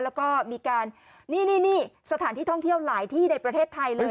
แล้วก็มีการนี่นี่สถานที่ท่องเที่ยวหลายที่ในประเทศไทยเลย